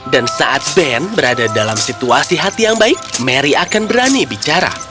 dan saat ben berada dalam situasi hati yang baik mary akan berani bicara